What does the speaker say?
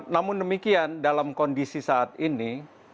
namun demikian dalam kondisi saat ini